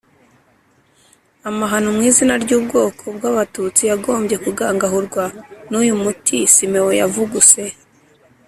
amahano mu izina ry'ubwoko bw'abatutsi, yagombye kugangahurwa n'uyu muti Simeon yavuguse.